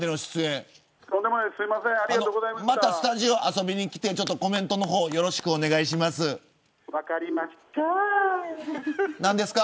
またスタジオ遊びに来てコメントの方よろしくお願いします。